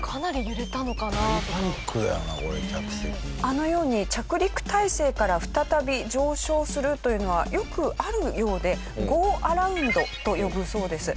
あのように着陸態勢から再び上昇するというのはよくあるようでゴーアラウンドと呼ぶそうです。